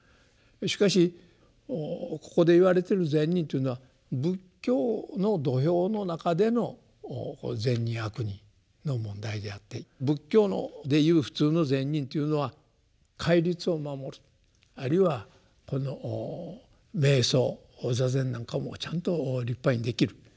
しかしここで言われてる「善人」というのは仏教の土俵の中での「善人」「悪人」の問題であって仏教でいう普通の「善人」というのは戒律を守るあるいは瞑想座禅なんかもちゃんと立派にできる。